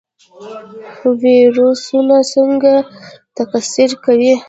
ویروسونه څنګه تکثیر کوي؟